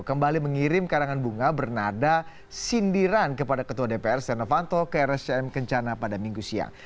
kembali mengirim karangan bunga bernada sindiran kepada ketua dpr setia novanto ke rscm kencana pada minggu siang